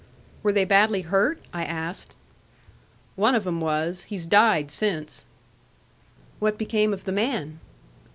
"Were they badly hurt?" I asked. "One of 'em was. He's died since." "What became of the man?"